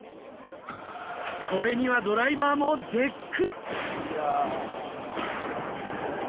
これにはドライバーも絶句。